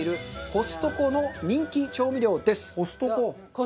コストコ。